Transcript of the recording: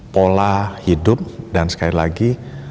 pola hidup dan sekali lagi